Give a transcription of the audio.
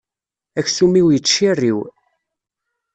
Aksum-iw yettciriw.